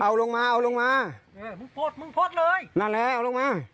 เอาลงมาเอาลงมามึงปลดมึงพดเลยนั่นแหละเอาลงมา